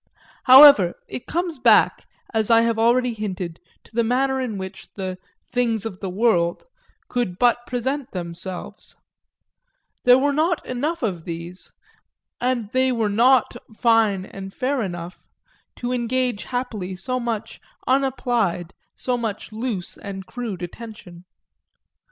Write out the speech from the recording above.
However, it comes back, as I have already hinted, to the manner in which the "things of the world" could but present themselves; there were not enough of these, and they were not fine and fair enough, to engage happily so much unapplied, so much loose and crude attention.